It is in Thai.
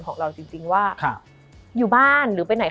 มันทำให้ชีวิตผู้มันไปไม่รอด